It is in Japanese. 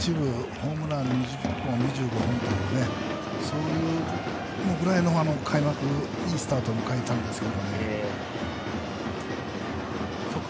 ホームラン２０本、２５本というそのぐらいの開幕いいスタートを迎えたんですが。